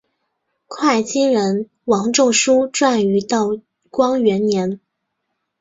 会稽人王仲舒撰于道光元年。